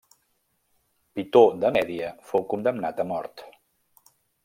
Pitó de Mèdia fou condemnat a mort.